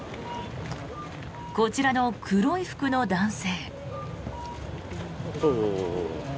こちらの黒い服の男性。